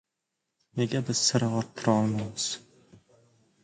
Nega biz sira orttira olmaymiz